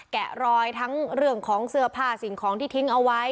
แกะรอยทั้งเรื่องของเสื้อผ้าสิ่งของที่ทิ้งเอาไว้